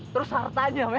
terus hartanya men